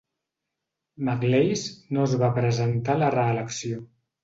McLeish no es va presentar a la reelecció.